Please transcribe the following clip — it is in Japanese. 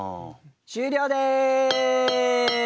終了です。